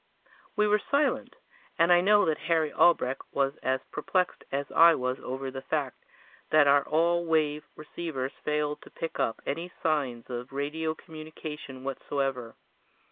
We were silent, and I know that Harry Albrecht was as perplexed as I was over the fact that our all wave receivers failed to pick up any signs of radio communication whatever.